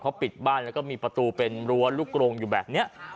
เขาปิดบ้านแล้วก็มีประตูเป็นรั้วลูกกรงอยู่แบบนี้